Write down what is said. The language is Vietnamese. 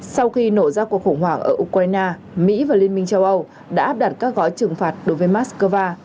sau khi nổ ra cuộc khủng hoảng ở ukraine mỹ và liên minh châu âu đã áp đặt các gói trừng phạt đối với moscow